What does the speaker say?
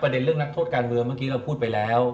เรื่องนักโทษการเมืองเมื่อกี้เราพูดไปแล้ว